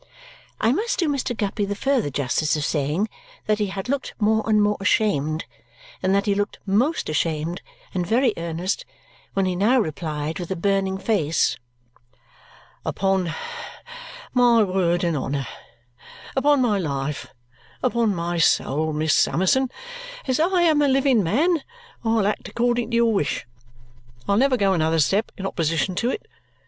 I must do Mr. Guppy the further justice of saying that he had looked more and more ashamed and that he looked most ashamed and very earnest when he now replied with a burning face, "Upon my word and honour, upon my life, upon my soul, Miss Summerson, as I am a living man, I'll act according to your wish! I'll never go another step in opposition to it.